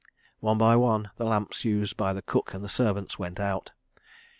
One by one the lamps used by the cook and servants went out.